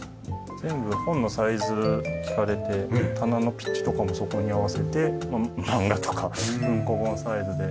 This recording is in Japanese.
全部本のサイズ聞かれて棚のピッチとかもそこに合わせて漫画とか文庫本サイズで。